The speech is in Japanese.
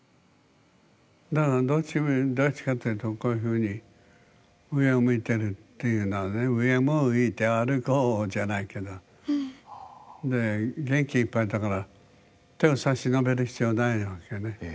だからどっちかというとこういうふうに上を向いてるっていうのはね「上を向いて歩こう」じゃないけどで元気いっぱいだから手を差し伸べる必要ないわけね。